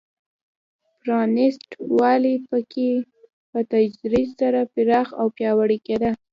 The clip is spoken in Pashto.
پرانېست والی په کې په تدریج سره پراخ او پیاوړی کېده.